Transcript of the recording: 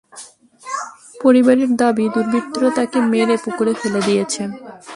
পরিবারের দাবি, দুর্বৃত্তরা তাঁকে মেরে পুকুরে ফেলে দিয়েছে।